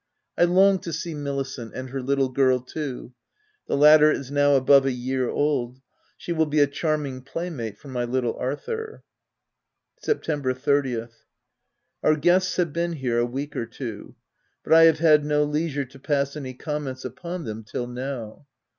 I long to see Milicent — and her little girl too. The latter is now above a year old ; she will be a charming playmate for my little Arthur. September 30th. — Our guests have been here a week or two ; but I have had no leisure to pass any comments upon them till now.